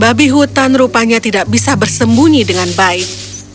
babi hutan rupanya tidak bisa bersembunyi dengan baik